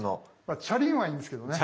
チャリンはいいんですけどね